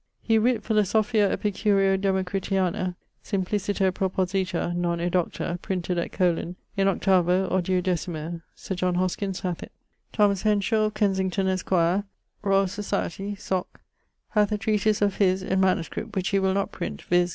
He writt 'Philosophia Epicureo Democritiana, simpliciter proposita, non edocta': printed at Colen, in 8vo or 12mo: Sir John Hoskins hath it. Thomas Henshawe, of Kensington, esq., R. Soc. Soc., hath a treatise of his in manuscript, which he will not print, viz.